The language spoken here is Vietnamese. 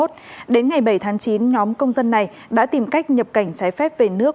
đến ngày bảy tháng chín nhóm công dân này đã tìm cách nhập cảnh trái phép về nước